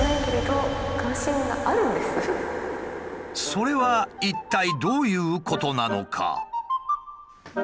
それは一体どういうことなのか？